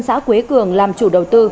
xã quế cường làm chủ đầu tư